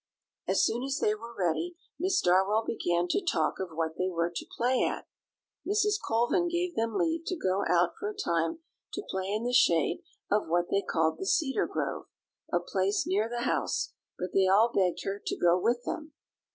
As soon as they were ready, Miss Darwell began to talk of what they were to play at. Mrs. Colvin gave them leave to go out for a time to play in the shade of what they called the cedar grove, a place near the house, but they all begged her to go with them.